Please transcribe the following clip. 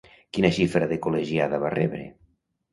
Quina xifra de col·legiada va rebre?